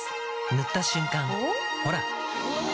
塗った瞬間おっ？